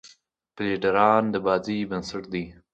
فیلډران د بازۍ بېنسټ دي.